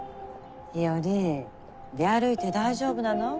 日和出歩いて大丈夫なの？